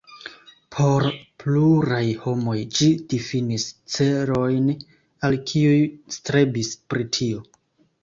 Por pluraj homoj ĝi difinis celojn al kiuj strebis Britio.